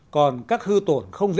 còn các hư tổn không dễ dàng